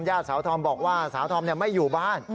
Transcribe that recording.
สาวธอมบอกว่าสาวธอมไม่อยู่บ้าน